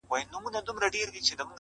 هر څوک خپل بار وړي تل,